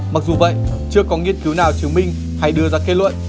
mặc dù vậy chưa có nghiên cứu nào chứng minh hay đưa ra kết luận